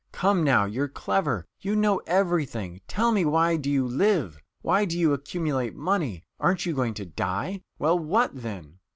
Come, now, you're clever, you know everything tell me, why do you live? Why do you accumulate money? Aren't you going to die? Well, what then?"